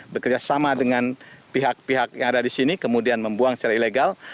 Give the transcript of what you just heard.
bekerjasama dengan pihak pihak yang ada di sini kemudian membuang secara ilegal